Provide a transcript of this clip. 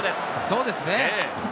そうですね。